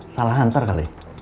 salah nganter kali